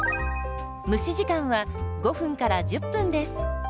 蒸し時間は５１０分です。